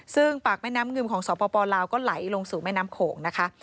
ซึ่งปากแม่น้ำงึมของสปลาวก็ไหลลงสู่แม่น้ำโขงนะคะ